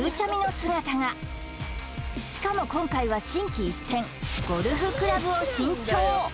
姿がしかも今回は心機一転ゴルフクラブを新調